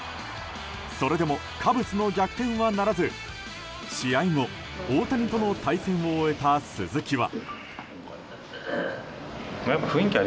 それでもカブスの逆転はならず試合後、大谷との対戦を終えた鈴木は。